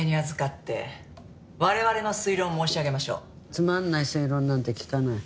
つまんない推論なんて聞かない。